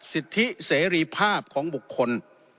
สิทธิเสรีภาพของบุคคล